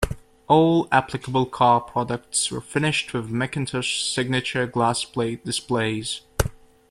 All applicable car products were finished with McIntosh's signature glass plate displays.